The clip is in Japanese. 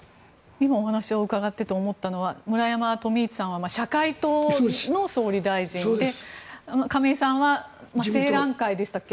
今、お話を伺っていて思ったのは村山富市さんは社会党の総理大臣で亀井さんは青嵐会でしたっけ。